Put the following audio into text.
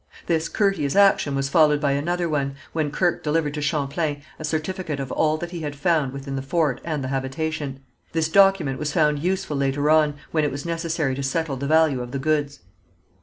This courteous action was followed by another one, when Kirke delivered to Champlain a certificate of all that he had found within the fort and the habitation. This document was found useful later on, when it was necessary to settle the value of the goods.